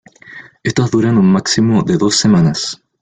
Estas duran un máximo de dos semanas.